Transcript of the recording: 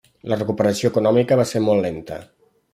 La recuperació econòmica va ser molt lenta.